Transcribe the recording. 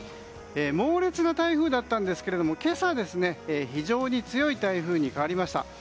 猛烈な台風だったんですが今朝、非常に強い台風に変わりました。